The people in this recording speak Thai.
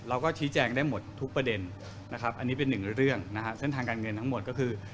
เราก็ชี้แจงได้หมดทุกประเด็นนะครับอันนี้เป็นหนึ่งเรื่องนะฮะเส้นทางการเงินทั้งหมดก็คือ